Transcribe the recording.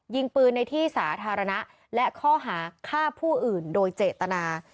ยิงปืนในที่สาธารณะและข้อหาฆ่าผู้อื่นโดยเจตนา